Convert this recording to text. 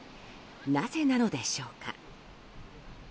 なぜなのでしょうか。